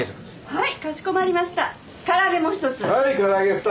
はい。